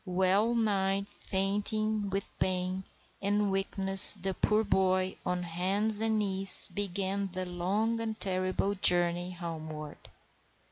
Well nigh fainting with pain, and weakness, the poor boy, on hands and knees, began the long and terrible journey homeward.